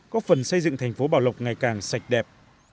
có phần xây dựng thành phố bảo lộc ngày càng sạch đẹp